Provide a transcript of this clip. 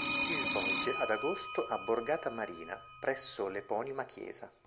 Si svolge ad agosto a Borgata Marina presso l'eponima chiesa.